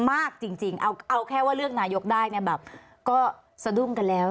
มากจริงเอาแค่ว่าเลือกนายกได้เนี่ยแบบก็สะดุ้งกันแล้ว